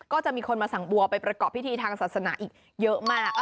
ก็จะมีคนมาสั่งบัวไปประกอบพิธีทางศาสนาอีกเยอะมาก